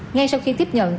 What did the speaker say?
ngay sau khi tiếp nhận